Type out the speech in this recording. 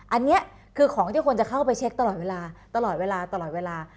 อันนี้คือของที่คนจะเข้าไปเช็คตลอดเวลาตลอดเวลาตลอดเวลา